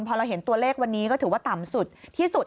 พอเราเห็นตัวเลขวันนี้ก็ถือว่าต่ำสุดที่สุด